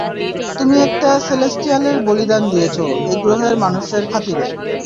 তুমি একটা সেলেস্টিয়ালের বলিদান দিয়েছ, এই গ্রহের মানুষের খাতিরে।